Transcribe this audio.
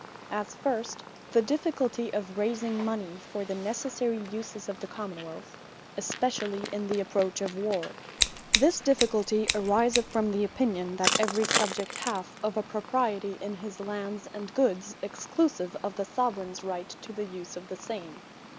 As first, the difficulty of raising Mony, for the necessary uses of the Common wealth; especially in the approach of warre. This difficulty ariseth from the opinion, that every Subject hath of a Propriety in his lands and goods, exclusive of the Soveraigns Right to the use of the same.